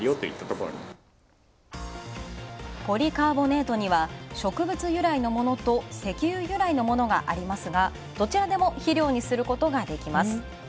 ポリカーボネートには植物由来のものと石油由来のものがありますが、どちらでも肥料にすることができます。